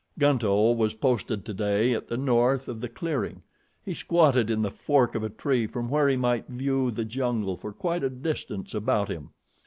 Gunto was posted today to the north of the clearing. He squatted in the fork of a tree from where he might view the jungle for quite a distance about him.